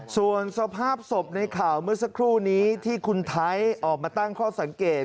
ส่วนสภาพศพในข่าวเมื่อสักครู่นี้ที่คุณไทยออกมาตั้งข้อสังเกต